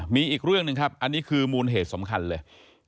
มีอีกเรื่องหนึ่งครับอันนี้คือมูลเหตุสำคัญเลย